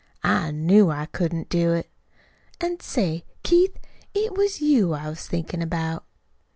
I KNEW I couldn't do it. An', say, Keith, it was you I was thinkin' about."